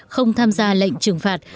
không tham gia lệnh trừng phạt